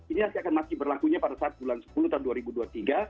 ini akan masih berlakunya pada saat bulan sepuluh tahun dua ribu dua puluh tiga